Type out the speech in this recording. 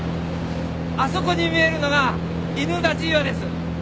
あそこに見えるのが犬立岩です。